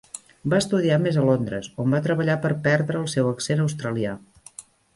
Va estudiar més a Londres, on va treballar per perdre el seu accent australià.